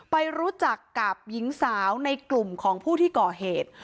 ไปรู้จักกับหญิงสาวในกลุ่มของผู้ที่ก่อเหตุ